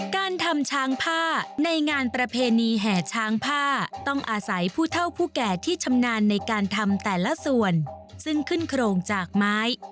การทำช้างผ้าในงานประเพณีแห่ช้างผ้าต้องอาศัยผู้เท่าผู้แก่ที่ชำนาญในการทำแต่ละส่วนซึ่งขึ้นโครงจากไม้